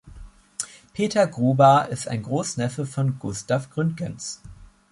Peter Gruber ist ein Großneffe von Gustaf Gründgens.